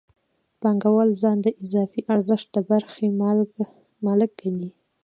پانګوال ځان د اضافي ارزښت د برخې مالک ګڼي